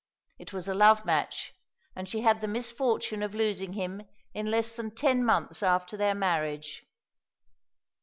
It was a love match, and she had the misfortune of losing him in less than ten months after their marriage.